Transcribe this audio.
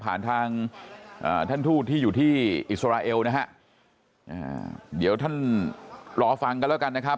ผ่านทางท่านทูตที่อยู่ที่อิสราเอลนะฮะเดี๋ยวท่านรอฟังกันแล้วกันนะครับ